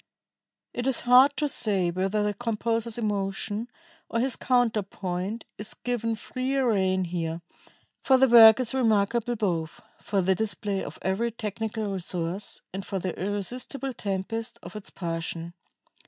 It is hard to say whether the composer's emotion or his counterpoint is given freer rein here, for the work is remarkable both for the display of every technical resource and for the irresistible tempest of its passion....